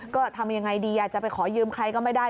ก็ทำยังไงดีจะไปขอยืมใครก็ไม่ได้